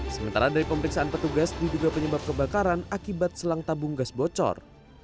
sementara dari pemeriksaan petugas diduga penyebab kebakaran akibat selang tabung gas bocor